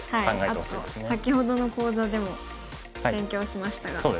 あと先ほどの講座でも勉強しましたが。